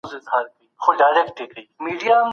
ده وویل چي پښتو زما د ژوند تر ټولو ستره لاسته راوړنه ده.